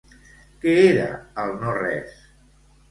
Què era el no-res?